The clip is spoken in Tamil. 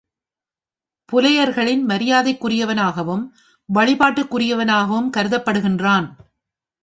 புலையர்களின் மரியாதைக்குரியவனாகவும், வழிபாட்டிற்குரியவனாகவும் கருதப்படுகின்றான்.